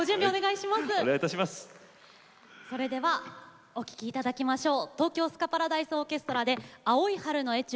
それではお聴きいただきましょう。